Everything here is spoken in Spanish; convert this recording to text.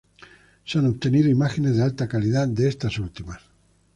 Se han obtenido imágenes de alta calidad de estas últimas.